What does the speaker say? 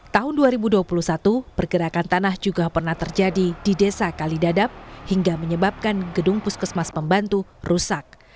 tahun dua ribu dua puluh satu pergerakan tanah juga pernah terjadi di desa kalidadap hingga menyebabkan gedung puskesmas pembantu rusak